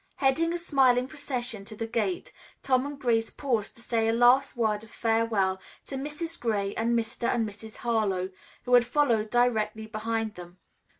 Heading a smiling procession to the gate, Tom and Grace paused to say a last word of farewell to Mrs. Gray and Mr. and Mrs. Harlowe, who had followed directly behind them.